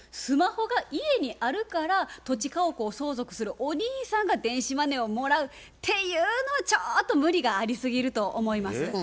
スマホが家にあるから土地家屋を相続するお兄さんが電子マネーをもらうっていうのはちょっと無理がありすぎると思います。